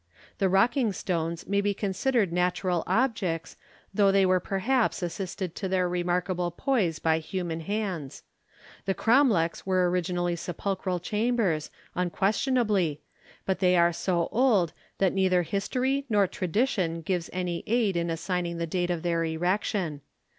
The rocking stones may be considered natural objects, though they were perhaps assisted to their remarkable poise by human hands. The cromlechs were originally sepulchral chambers, unquestionably, but they are so old that neither history nor tradition gives any aid in assigning the date of their erection.